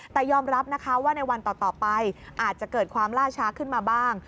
แต่ยอมรับนะคะว่าในวันต่อไปอาจจะเกิดความล่าช้าขึ้นมาบ้าง